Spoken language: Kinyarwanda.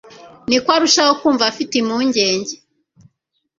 niko arushaho kumva afite impungenge